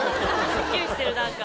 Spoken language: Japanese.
すっきりしてる、なんか。